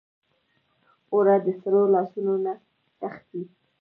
اوړه د سړو لاسو نه تښتي